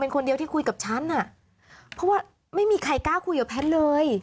คุยกับฉันอ่ะเพราะว่าไม่มีใครกล้าคุยกับแพทย์เลย